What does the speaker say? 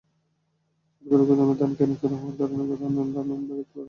সরকারি গুদামে ধান কেনা শুরু হওয়ার কারণে ধানের দাম বাড়তে পারে।